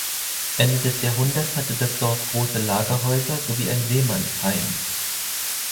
Ende des Jahrhunderts hatte das Dorf große Lagerhäuser sowie ein Seemannsheim.